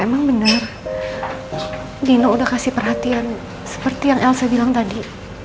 emang bener dino udah kasih perhatian seperti yang elsa bilang tadi